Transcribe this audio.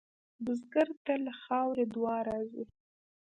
بزګر ته له خاورې دعا راځي